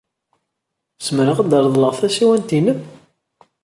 Zemreɣ ad reḍleɣ tasiwant-nnem?